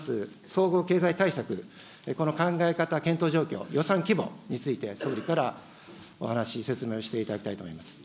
総合経済対策、この考え方、検討状況、予算規模について、総理からお話、説明をしていただきたいと思います。